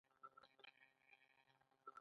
افغانستان ډیر تاریخي او کلتوری میراثونه لري